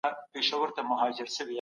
ولي هغه ښځه د تنور په څیر ګرمه وه؟